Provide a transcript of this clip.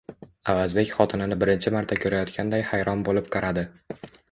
Avazbek xotinini birinchi marta ko`rayotganday hayron bo`lib qaradi